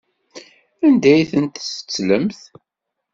Anda ay ten-tettlemt?